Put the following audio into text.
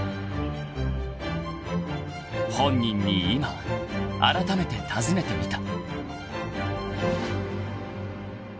［本人に今あらためて尋ねてみた］